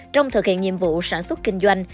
trong thực hiện nhiệm vụ sản xuất kinh doanh